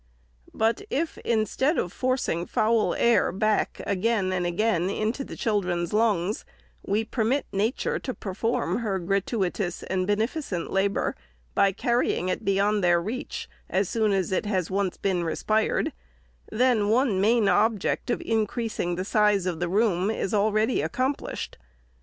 But if, instead of forcing foul air back again and again into the children's lungs, we permit Nature to perform her gratuitous and beneficent labor, by carrying it beyond their reach, as soon as it has once been respired, then one main object of increasing the size of the room is already accomplished.